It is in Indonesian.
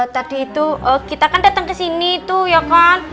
tadi itu kita kan datang kesini tuh ya kan